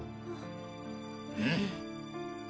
うん。